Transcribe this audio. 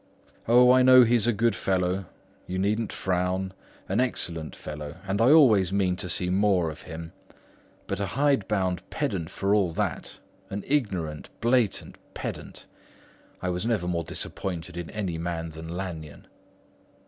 O, I know he's a good fellow—you needn't frown—an excellent fellow, and I always mean to see more of him; but a hide bound pedant for all that; an ignorant, blatant pedant. I was never more disappointed in any man than Lanyon."